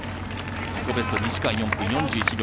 自己ベスト２時間４分４１秒。